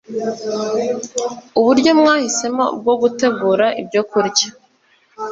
Uburyo mwahisemo bwo gutegura ibyokurya